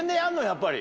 やっぱり。